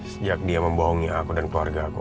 sejak dia membohongi aku dan keluarga aku